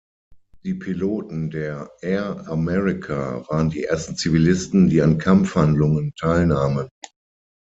Die Piloten der Air America waren die ersten Zivilisten, die an Kampfhandlungen teilnahmen.